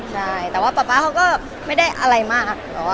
ใช่แต่ว่าป๊าป๊าเขาก็ไม่ได้อะไรมาก